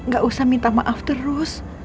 gak usah minta maaf terus